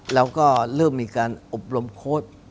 แล้วก็เริ่มมีการอบรมโค้ด